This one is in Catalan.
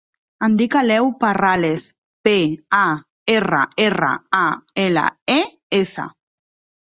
Em dic Aleu Parrales: pe, a, erra, erra, a, ela, e, essa.